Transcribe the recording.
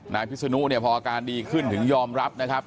พิศนุเนี่ยพออาการดีขึ้นถึงยอมรับนะครับ